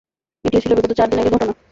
এটিও ছিল বিগত চারদিন আগের একটি ঘটনা।